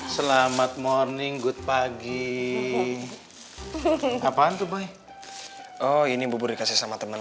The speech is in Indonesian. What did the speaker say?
selamat morning good pagi ngapain kebal oh ini boleh kasih sama temen mas